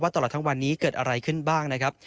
ตลอดทั้งวันนี้เกิดอะไรขึ้นบ้างนะครับ